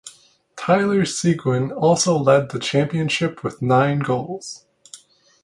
Tyler Seguin also led the championship with nine goals.